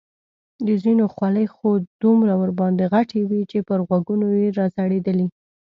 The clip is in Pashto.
د ځینو خولۍ خو دومره ورباندې غټې وې چې پر غوږو یې را ځړېدلې.